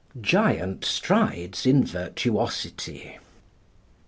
Giant Strides in Virtuosity.